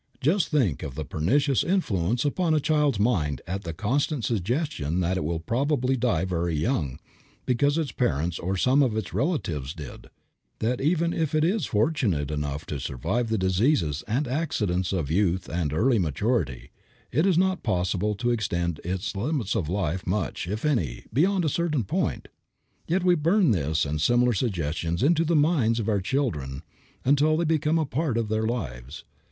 Just think of the pernicious influence upon a child's mind of the constant suggestion that it will probably die very young because its parents or some of its relatives did; that even if it is fortunate enough to survive the diseases and accidents of youth and early maturity, it is not possible to extend its limits of life much, if any, beyond a certain point! Yet we burn this and similar suggestions into the minds of our children until they become a part of their lives.